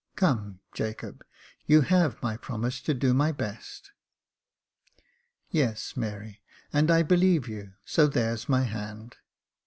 Come, Jacob, you have my promise to do my best." " Yes, Mary, and I believe you, so there's my hand."